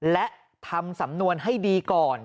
และทำสำนวนให้ดีก่อน